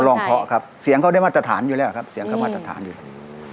ร้องเพราะครับเสียงเขาได้มาตรฐานอยู่แล้วครับเสียงเขามาตรฐานอยู่แล้ว